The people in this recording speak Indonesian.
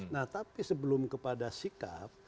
nah tapi sebelum kepada sikap